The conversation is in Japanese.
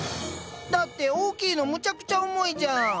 だって大きいのむちゃくちゃ重いじゃん。